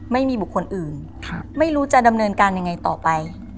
ไม่มีบุคคลอื่นไม่รู้จะดำเนินการยังไงต่อไป